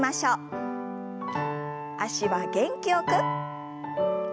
脚は元気よく。